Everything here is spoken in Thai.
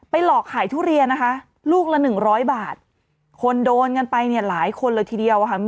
ไปหลอกขายทุเรียนนะคะลูกละ๑๐๐บาทคนโดนกันไปหลายคนเลยทีเดียวค่ะ